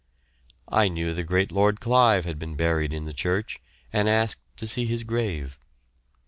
I knew the great Lord Clive had been buried in the church, and asked to see his grave.